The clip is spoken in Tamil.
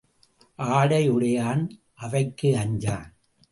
ஆடை உடையான் அவைக்கு அஞ்சான்.